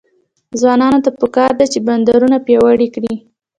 ځوانانو ته پکار ده چې، بندرونه پیاوړي کړي.